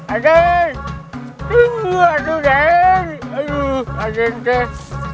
aduh aduh tunggu aja aduh